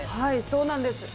そうなんです。